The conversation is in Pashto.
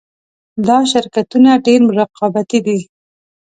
دا شرکتونه ډېر رقابتي دي